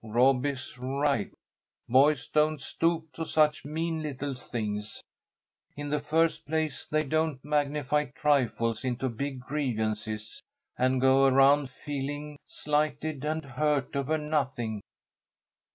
Rob is right. Boys don't stoop to such mean little things. In the first place they don't magnify trifles into big grievances, and go around feeling slighted and hurt over nothing."